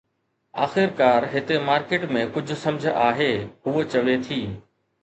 آخرڪار هتي مارڪيٽ ۾ ڪجهه سمجھ آهي، هوء چوي ٿي